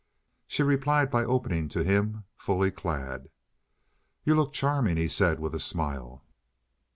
She replied by opening to him, fully clad. "You look charming," he said with a smile.